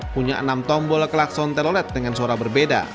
punya enam tombol klakson telolet dengan suara berbeda